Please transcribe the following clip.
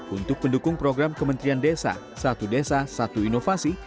untuk mendukung program kementerian desa satu desa satu inovasi